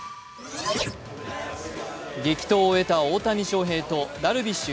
激闘を終えた大谷翔平とダルビッシュ